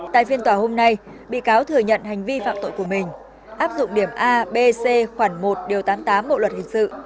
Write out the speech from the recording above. tại phiên tòa hôm nay bị cáo thừa nhận hành vi phạm tội của mình áp dụng điểm a b c khoảng một điều tám mươi tám bộ luật hình sự